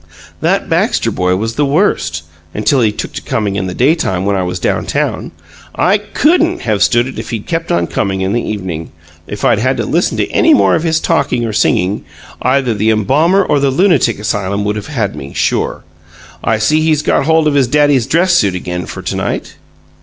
"That Baxter boy was the worst, until he took to coming in the daytime when I was down town. I COULDN'T have stood it if he'd kept on coming in the evening. If I'd had to listen to any more of his talking or singing, either the embalmer or the lunatic asylum would have had me, sure! I see he's got hold of his daddy's dress suit again for to night."